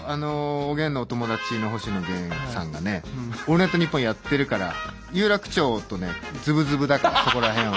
おげんのお友達の星野源さんがね「オールナイトニッポン」やってるから有楽町とねずぶずぶだからそこら辺は。